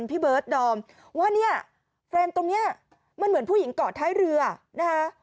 พี่เบิร์ดดอมว่าเนี่ยเฟรนด์ตรงเนี้ยมันเหมือนผู้หญิงเกาะท้ายเรือนะคะ